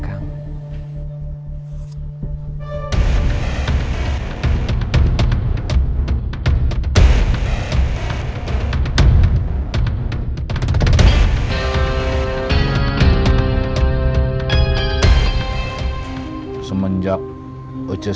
aku mah fingers propertiesnya kek privilege